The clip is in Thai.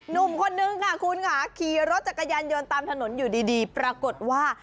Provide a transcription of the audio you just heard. หนุ่มคนนึงค่ะคุณค่ะขี่รถจักรยานยนต์ตามถนนอยู่ดีปรากฏว่า